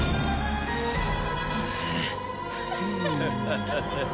ハハハハ。